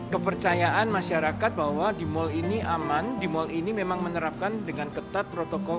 kepercayaan masyarakat bahwa di mal ini aman di mal ini memang menerapkan dengan ketat protokol